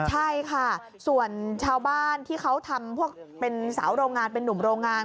ใช่ค่ะส่วนชาวบ้านที่เขาทำพวกเป็นสาวโรงงานเป็นนุ่มโรงงาน